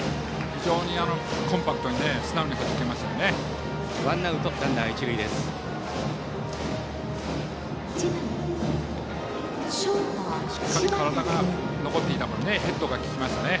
非常にコンパクトにスイングをかけましたね。